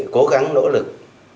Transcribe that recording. cố gắng nỗ lực